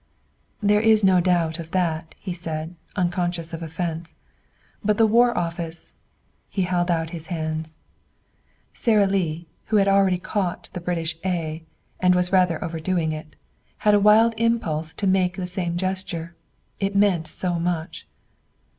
"There is no doubt of that," he said, unconscious of offense. "But the War Office " He held out his hands. Sara Lee, who had already caught the British "a" and was rather overdoing it, had a wild impulse to make the same gesture. It meant so much.